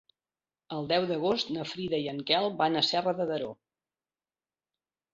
El deu d'agost na Frida i en Quel van a Serra de Daró.